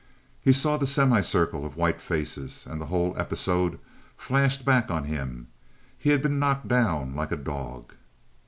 He saw the semicircle of white faces, and the whole episode flashed back on him. He had been knocked down like a dog.